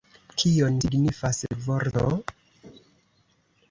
Kion signifas la vorto?